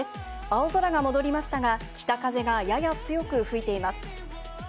青空が戻りましたが、北風がやや強く吹いています。